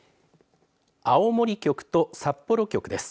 青森局と札幌局です。